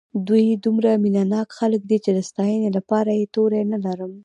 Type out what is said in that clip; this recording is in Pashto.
دوی دومره مینه ناک خلک دي چې د ستاینې لپاره یې توري نه لرم.